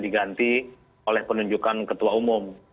diganti oleh penunjukan ketua umum